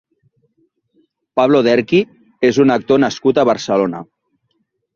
Pablo Derqui és un actor nascut a Barcelona.